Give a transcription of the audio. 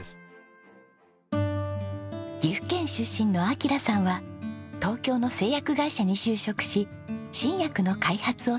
岐阜県出身の暁良さんは東京の製薬会社に就職し新薬の開発を担当。